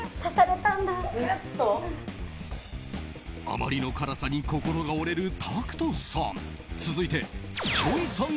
あまりの辛さに心が折れるタクトさん。